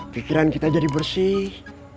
pikiran kita jadi bersih